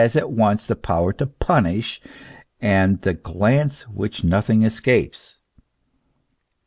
207 at once the power to punish and the glance which nothing escapes.